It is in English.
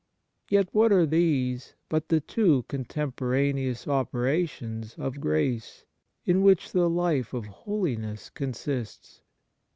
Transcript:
Yet what are these but the two contempo raneous operations of grace, in which the life of holiness consists